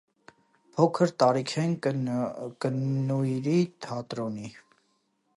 Փոքր տարիքէն կը նուիրուի թատրոնի։